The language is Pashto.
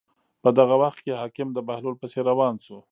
په دغه وخت کې حاکم د بهلول پسې روان شو.